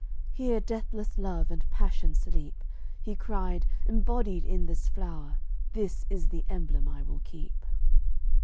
"Here deathless love and passion sleep," He cried, "embodied in this flower. This is the emblem I will keep."